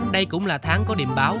đây cũng là tháng có điểm báo